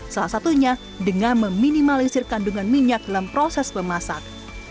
salah satunya dengan meminimalisir kandungan minyak dalam proses memasak